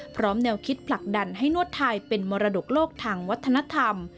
พร้อมแนวคิดผลักดันให้นวดไทยเป็นมรดกโลกทางวัฒนธรรม